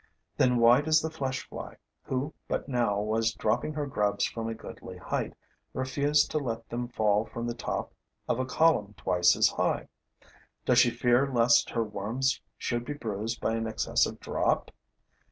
Then why does the flesh fly, who but now was dropping her grubs from a goodly height, refuse to let them fall from the top of a column twice as high? Does she fear lest her worms should be bruised by an excessive drop?